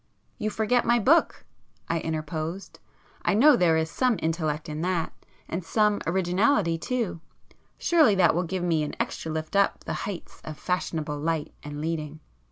"You forget my book"—I interposed—"I know there is some intellect in that, and some originality too. Surely that will give me an extra lift up the heights of fashionable light and leading."